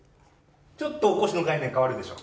ちょっとおこしの概念変わるでしょ。